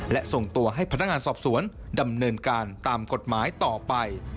และส่งตัวให้พนักงานสอบสวนดำเนินการตามกฎหมายต่อไป